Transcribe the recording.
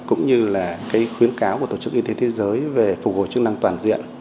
cũng như là khuyến cáo của tổ chức y tế thế giới về phục hồi chức năng toàn diện